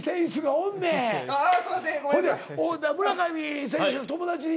ほんで村上選手の友達に。